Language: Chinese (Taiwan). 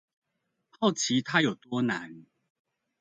好奇他有多難